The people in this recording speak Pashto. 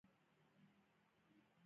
پړانګ نشته